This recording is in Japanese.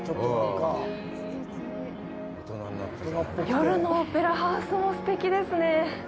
夜のオペラハウスもすてきですね。